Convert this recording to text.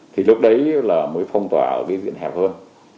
thì lúc đấy là mới phong tỏa ở cái diện hẹp hơn